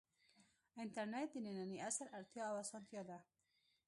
انټرنیټ د ننني عصر اړتیا او اسانتیا ده.